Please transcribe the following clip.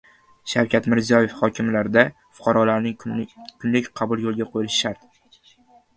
Shavkat Mirziyoev: "Hokimliklarda fuqarolarning kunlik qabuli yo‘lga qo‘yilishi shart"